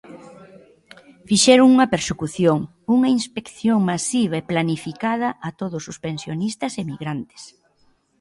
Fixeron unha persecución, unha inspección masiva e planificada, a todos o pensionistas emigrantes.